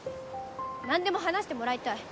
何でも話してもらいたい。